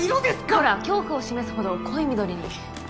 ほら「恐怖」を示すほど濃い緑に。